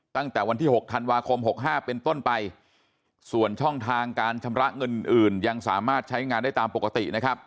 ตั้งแต่วันที่๖ธันวาคม๖๕เป็นต้นไปส่วนช่องทางการชำระเงินอื่นยังสามารถใช้งานได้ตามปกตินะครับ